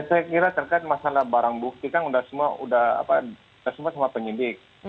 saya kira terkait masalah barang bukti kan sudah semua sudah apaan sudah semua semua penyidik